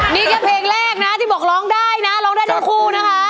นี่แค่เพลงแรกนะที่บอกร้องได้นะร้องได้ทั้งคู่นะคะ